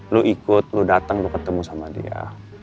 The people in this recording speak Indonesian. lo ikut lo dateng lo ketemu sama dia